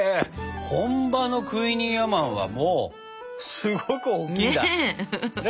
本場のクイニーアマンはもうすごく大きいんだ。